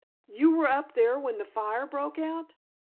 "You were up there when the fire broke out?"